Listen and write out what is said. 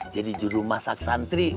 jadi juru masak santri